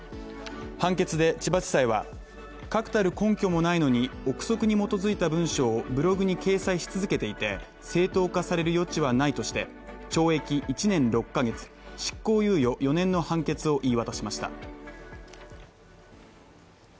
判決で、千葉地裁は、確たる根拠もないのに憶測に基づいた文章をブログに掲載し続けていて、正当化される余地はないとして懲役１年６ヶ月、執行猶予４年の判決を言い渡しました。